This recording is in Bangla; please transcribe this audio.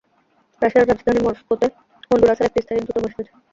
রাশিয়ার রাজধানী মস্কোতে, হন্ডুরাসের একটি স্থায়ী দূতাবাস রয়েছে।